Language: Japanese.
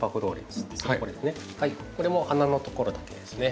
これも花のところだけですね。